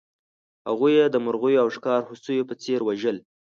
هغوی یې د مرغیو او ښکار هوسیو په څېر وژل.